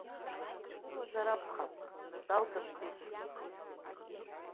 Иудыруазар акәхап, Наталка бзиа дшызбо.